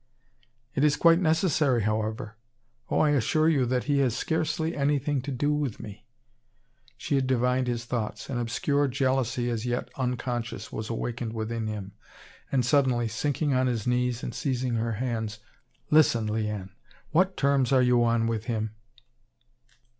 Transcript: It is quite necessary, however. Oh! I assure you that he has scarcely anything to do with me." She had divined his thoughts. An obscure jealousy, as yet unconscious, was awakened within him. And suddenly, sinking on his knees and seizing her hands: "Listen, Liane! What terms are you on with him?"